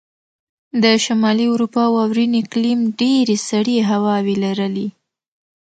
د شمالي اروپا واورین اقلیم ډېرې سړې هواوې لرلې.